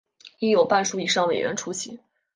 应有半数以上委员出席